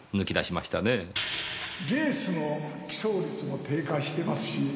レースの帰巣率も低下してますし。